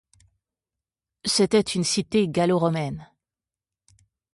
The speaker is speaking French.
C'était une cité gallo-romaine.